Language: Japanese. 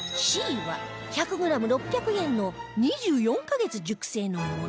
Ｃ は１００グラム６００円の２４カ月熟成のもの